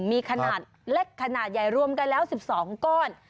มีขนาดเล็กขนาดใหญ่รวมกันแล้ว๑๒ก้อน